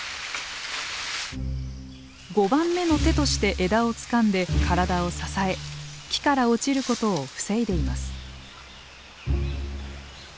５番目の手として枝をつかんで体を支え木から落ちることを防いでいます。